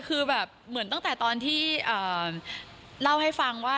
คือแบบเหมือนตั้งแต่ตอนที่เล่าให้ฟังว่า